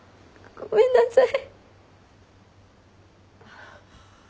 ごめんなさい。